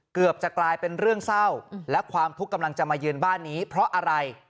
เกือบจะกลายเป็นเรื่องเศร้าและความทุกข์กำลังจะมายืนบ้านนี้เพราะอะไร